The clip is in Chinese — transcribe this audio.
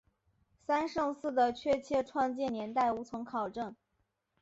三圣寺的确切创建年代无从考证。